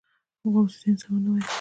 غوث الدين څه ونه ويل.